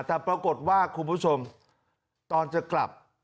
แต่ปรากฏว่าคุณผู้ชมตอนจะกลับ